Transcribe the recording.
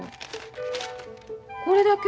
これだけ？